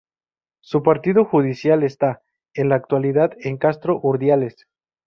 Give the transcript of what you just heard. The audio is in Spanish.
Su partido judicial está, en la actualidad, en Castro Urdiales.